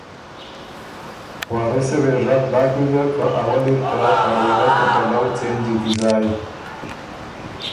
وارثه وې ژغ داک ویزرکه ”اول اِر ته پروړۀ ته پلؤ څېنجی کی زایٛ“